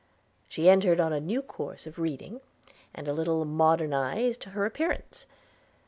She entered on a new course of reading, and a little modernised her appearance.